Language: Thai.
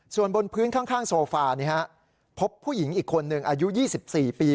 ส่วนบนพื้นข้างโซฟาพบผู้หญิงอีกคนหนึ่งอายุ๒๔ปี